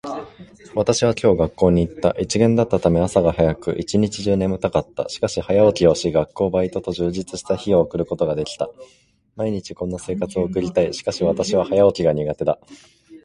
私は今日大学に行った。一限だったため、朝が早く、一日中眠たかった。しかし、早起きをし、学校、バイトと充実した日を送ることができた。毎日こんな生活を送りたい。しかし私は早起きが苦手だ。